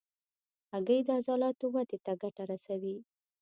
هګۍ د عضلاتو ودې ته ګټه رسوي.